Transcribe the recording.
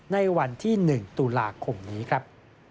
ในวันที่๑ตุลาคมนี้ครับ